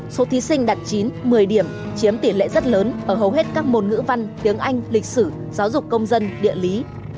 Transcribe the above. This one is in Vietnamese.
số thí sinh đạt chín một mươi điểm chiếm tỷ lệ rất lớn ở hầu hết các môn ngữ văn tiếng anh lịch sử giáo dục công dân địa lý